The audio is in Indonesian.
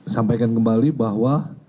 sampaikan kembali bahwa